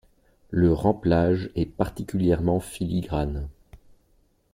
Le remplage est particulièrement filigrane.